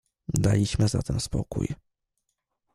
"Daliśmy zatem spokój."